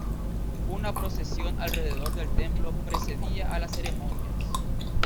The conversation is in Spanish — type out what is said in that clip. Una procesión alrededor del templo precedía a las ceremonias.